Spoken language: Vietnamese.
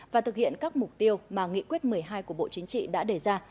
và thực hiện các mục tiêu mà nghị quyết một mươi hai của bộ chính trị đã đề ra